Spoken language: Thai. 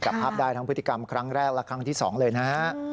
จับภาพได้ทั้งพฤติกรรมครั้งแรกและครั้งที่๒เลยนะฮะ